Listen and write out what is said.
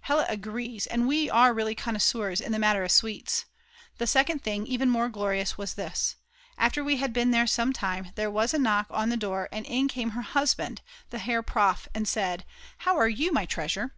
Hella agrees, and we are really connoisseurs in the matter of sweets. The second thing, even more glorious, was this: after we had been there some time, there was a knock at the door and in came her husband, the Herr Prof., and said: "How are you my treasure?"